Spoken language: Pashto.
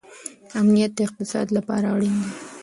امنیت د اقتصاد لپاره اړین دی.